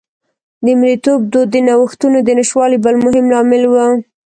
د مریتوب دود د نوښتونو د نشتوالي بل مهم لامل و